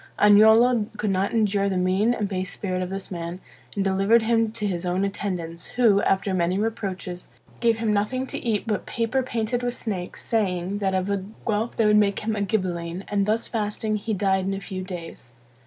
Agnolo could not endure the mean and base spirit of this man, and delivered him to his own attendants, who, after many reproaches, gave him nothing to eat but paper painted with snakes, saying, that of a Guelph they would make him a Ghibelline; and thus fasting, he died in a few days.